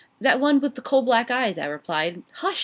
'That one with the coal black eyes,' I replied. 'Hush!'